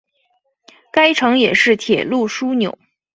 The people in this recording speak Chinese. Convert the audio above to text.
该城也是铁路枢纽。